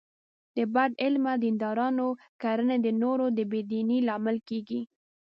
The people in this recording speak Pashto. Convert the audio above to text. د بد عمله دیندارانو کړنې د نورو د بې دینۍ لامل کېږي.